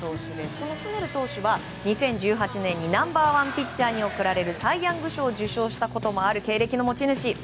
このスネル投手は２０１８年にナンバー１ピッチャーに贈られるサイ・ヤング賞を受賞したこともある経歴の持ち主。